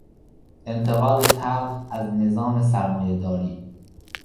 انتقاد تلخ از نظام سرمایهداری